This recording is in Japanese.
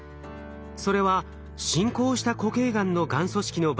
それは進行した固形がんのがん組織の